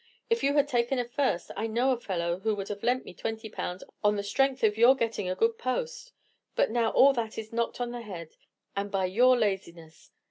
If you had taken a first, I know a fellow who would have lent me twenty pounds on the strength of your getting a good post; but now all that is knocked on the head, and by your laziness.